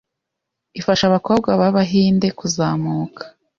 ifasha abakobwa b’abahinde kuzamuka